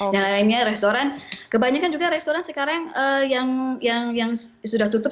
yang lainnya restoran kebanyakan juga restoran sekarang yang sudah tutup